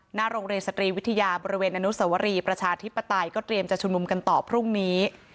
หน้าโรงเรียนสตรีวิทยาบริเวณอนุสวรีประชาธิปไตยก็เตรียมจะชุมนุมกันต่อพรุ่งนี้